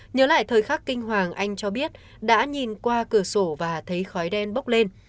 nhớ lại thời khắc kinh hoàng anh cho biết đã nhìn qua cửa sổ và thấy khói đen bốc lên